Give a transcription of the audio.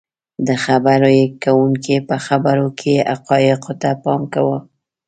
. د خبرې کوونکي په خبرو کې حقایقو ته پام کوو